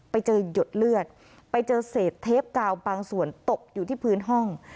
ไปเจอหยดเลือดไปเจอเศษเทปกาวบางส่วนตกอยู่ที่พื้นห้อง